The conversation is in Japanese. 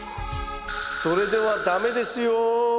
それでは駄目ですよ。